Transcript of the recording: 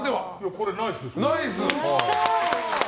これはナイスですね。